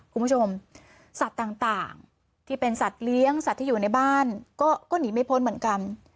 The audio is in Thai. คุณผู้ชมสัตว์ต่างที่เป็นสัตว์เลี้ยงสัตว์ที่อยู่ในบ้านก็หนีไม่พ้นเหมือนกัน